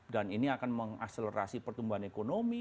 dan ini akan mengakselerasi pertumbuhan ekonomi